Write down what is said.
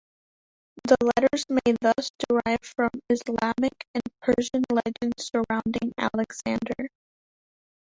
The letters may thus derive from the Islamic and Persian legends surrounding Alexander.